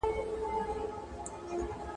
پردى جنگ نيم اختر دئ.